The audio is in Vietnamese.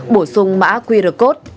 bổ sung mã qr code